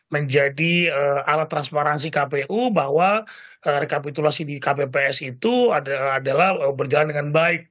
menjadi alat transparansi kpu bahwa rekapitulasi di kpps itu adalah berjalan dengan baik